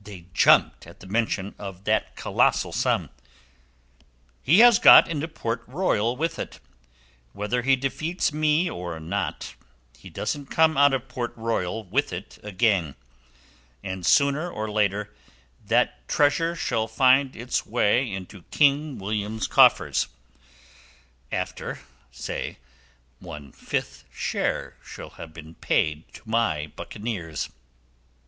They jumped at the mention of that colossal sum. "He has gone into Port Royal with it. Whether he defeats me or not, he doesn't come out of Port Royal with it again, and sooner or later that treasure shall find its way into King William's coffers, after, say, one fifth share shall have been paid to my buccaneers.